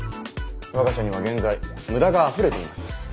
我が社には現在無駄があふれています。